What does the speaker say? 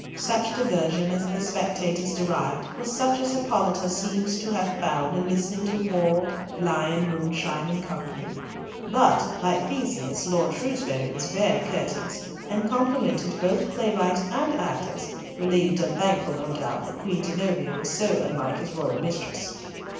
Such diversion as the spectators derived was such as Hippolyta seems to have found in listening to Wall, Lion, Moonshine and Co.; but, like Theseus, Lord Shrewsbury was very courteous, and complimented both playwright and actors, relieved and thankful, no doubt, that Queen Zenobia was so unlike his royal mistress.